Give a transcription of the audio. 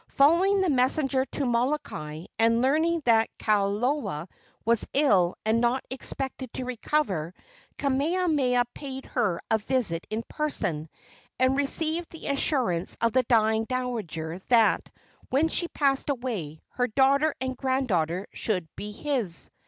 Following the messenger to Molokai, and learning that Kalola was ill and not expected to recover, Kamehameha paid her a visit in person, and received the assurance of the dying dowager that, when she passed away, her daughter and granddaughter should be his.